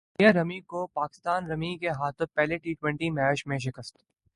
سٹریلیا رمی کو پاکستان رمی کے ہاتھوں پہلے ٹی ٹوئنٹی میچ میں شکست